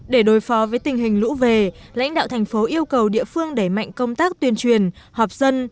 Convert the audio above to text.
để đối phó với tình hình lũ về lãnh đạo thành phố yêu cầu địa phương đẩy mạnh công tác tuyên truyền họp dân